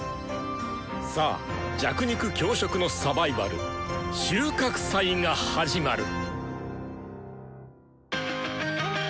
さあ弱肉強食のサバイバル収穫祭が始まる！